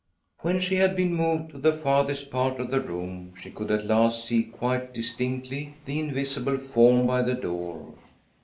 When she had been moved to the farthest part of the room she could at last see quite distinctly the invisible form by the door.